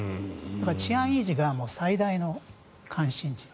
治安維持が最大の関心事。